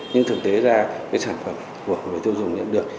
nhưng thực tế ra cái sản phẩm của người tiêu dùng nhận được